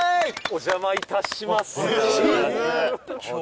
お邪魔致します。